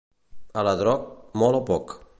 Aladroc, molt o poc.